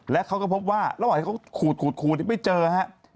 และเขาก็พบว่าระหว่างที่เขาขูดไม่เจอฮะ